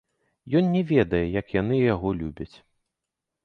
Ён не ведае, як яны яго любяць!